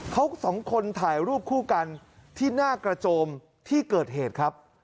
เขาสองคนถ่ายรูปคู่กันที่หน้ากระโจมที่เกิดเหตุครับ